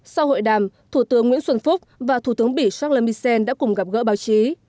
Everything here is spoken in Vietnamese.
sau hội đàm thủ tướng nguyễn xuân phúc và thủ tướng bỉ charles misen đã cùng gặp gỡ báo chí